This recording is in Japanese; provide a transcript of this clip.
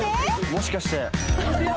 もしかして？